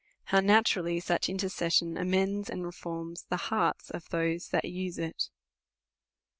How natnrallij such intercession amends and reforms the hearts of those that use it.